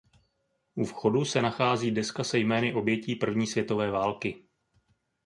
U vchodu se nachází deska se jmény obětí první světové války.